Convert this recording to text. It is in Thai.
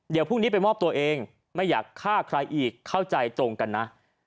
เดี๋ยวพรุ่งนี้ไปมอบตัวเองไม่อยากฆ่าใครอีกเข้าใจตรงกันนะ